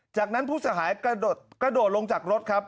จากนั้นผู้เสียหายกระโดดลงจากรถครับ